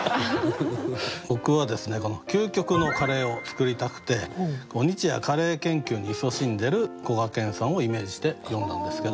僕はこの究極のカレーを作りたくて日夜カレー研究にいそしんでるこがけんさんをイメージして詠んだんですけ